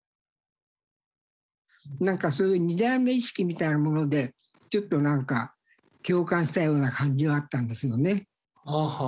なんかそういう２代目意識みたいなものでちょっとなんか共感したような感じはあったんですよね。